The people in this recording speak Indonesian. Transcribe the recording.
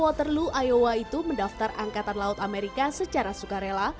waterloo iowa itu mendaftar angkatan laut amerika secara sukarela